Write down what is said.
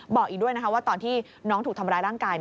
บอกอีกด้วยนะคะว่าตอนที่น้องถูกทำร้ายร่างกาย